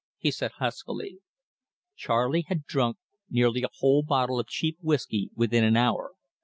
he said huskily. Charley had drunk nearly a whole bottle of cheap whiskey within an hour.